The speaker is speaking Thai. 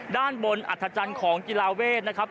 ด้านบนอัฐจันทร์ของกีฬาเวทนะครับ